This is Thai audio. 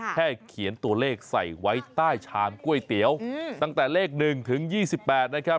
แค่เขียนตัวเลขใส่ไว้ใต้ชามก๋วยเตี๋ยวตั้งแต่เลข๑ถึง๒๘นะครับ